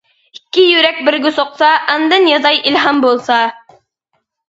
ئىككى يۈرەك بىرگە سوقسا، ئاندىن يازاي ئىلھام بولسا.